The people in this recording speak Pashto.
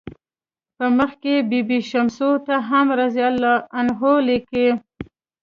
په مخ کې بي بي شمسو ته هم "رضی الله عنه" لیکي.